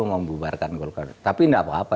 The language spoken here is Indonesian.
mau membubarkan golkar tapi gak apa apa